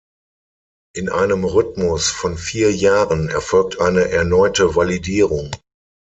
In einem Rhythmus von vier Jahren erfolgt eine erneute Validierung.